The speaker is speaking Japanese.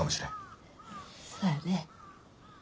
そやね。